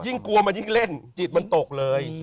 กลัวมันยิ่งเล่นจิตมันตกเลย